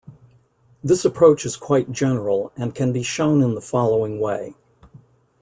This approach is quite general and can be shown in the following way.